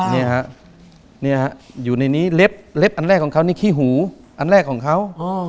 นี่ฮะอยู่ในนี้เล็บเล็บอันแรกของเขานี่ขี้หูอันแรกของเขา